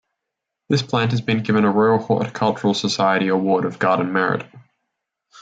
This plant has been given a Royal Horticultural Society Award of Garden Merit.